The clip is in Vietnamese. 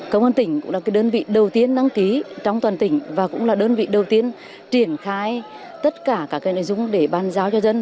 công an tỉnh cũng là đơn vị đầu tiên đăng ký trong toàn tỉnh và cũng là đơn vị đầu tiên triển khai tất cả các nội dung để bàn giao cho dân